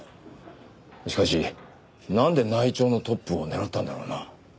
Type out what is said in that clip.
しかしなんで内調のトップを狙ったんだろうな？